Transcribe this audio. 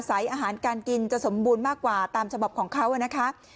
อาหารการกินจะสมบูรณ์มากกว่าตามฉบับของเขานะคะ